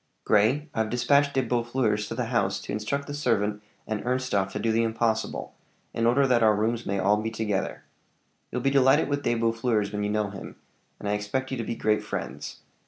"Grey, I've dispatched De Boeffleurs to the house to instruct the servant and Ernstorff to do the impossible, in order that our rooms may be all together. You'll be delighted with De Boeffleurs when you know him, and I expect you to be great friends.